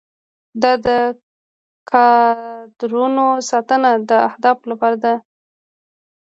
دا د کادرونو ساتنه د اهدافو لپاره ده.